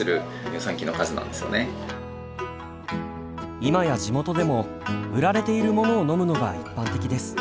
今や地元でも売られているものを飲むのが一般的です。